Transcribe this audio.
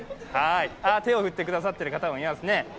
手を振ってくださっている方もいますね。